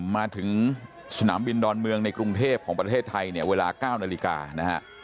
มาถึงสนามบินดอนเมืองในกรุงเทพของประเทศไทยเนี่ยเวลา๙นาฬิกานะฮะ